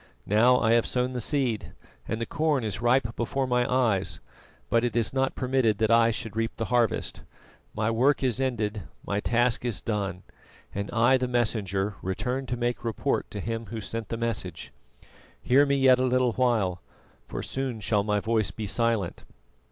Now I have sown the seed, and the corn is ripe before my eyes, but it is not permitted that I should reap the harvest. My work is ended, my task is done, and I, the Messenger, return to make report to Him Who sent the message. "Hear me yet a little while, for soon shall my voice be silent.